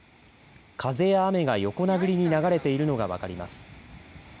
風や雨が横殴りに流れているのが分かります。